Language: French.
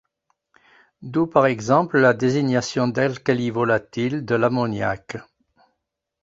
D'où par exemple la désignation d'alcali volatil de l'ammoniaque.